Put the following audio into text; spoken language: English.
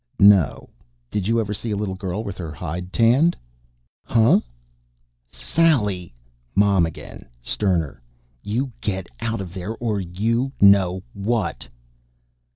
"No. Did you ever see a little girl with her hide tanned?" "Huh?" "Sally!" Mom again, sterner. "You get out of there, or you know what